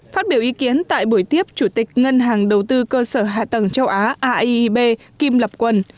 phát biểu ý kiến tại buổi tiếp chủ tịch ngân hàng đầu tư cơ sở hạ tầng châu á aib kim lập quân